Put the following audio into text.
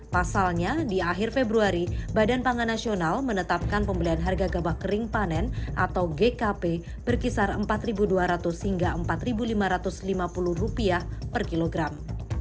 pasalnya di akhir februari badan pangan nasional menetapkan pembelian harga gabah kering panen atau gkp berkisar rp empat dua ratus hingga rp empat lima ratus lima puluh per kilogram